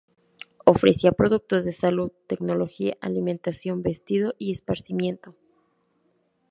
Ofrecía productos de salud, tecnología, alimentación, vestido y esparcimiento.